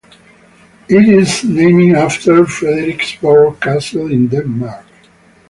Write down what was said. It is named after Frederiksborg Castle in Denmark.